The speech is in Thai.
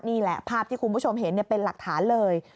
นี่แหละภาพที่คุณผู้ชมเห็นเป็นหลักฐานเลย